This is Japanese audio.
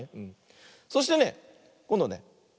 そしてねこんどね